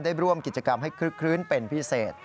ได้ร่วมกิจกรรมให้คลึกคลื้นเป็นพิเศษ